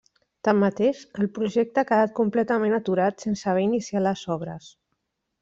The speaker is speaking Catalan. Tanmateix, el projecte ha quedat completament aturat sense haver iniciat les obres.